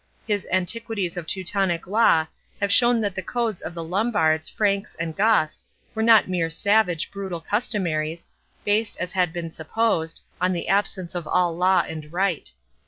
His Antiquities of Teutonic Law have shown that the codes of the Lombards, Franks, and Goths were not mere savage, brutal customaries, based, as had been supposed, on the absence of all law and right.